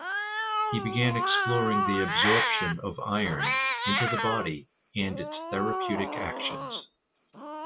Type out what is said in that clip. He began exploring the absorption of iron into the body and its therapeutic actions.